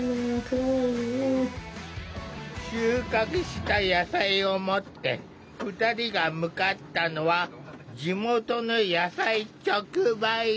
収穫した野菜を持って２人が向かったのは地元の野菜直売所。